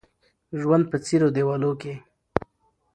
ژوند په څيرو دېوالو کې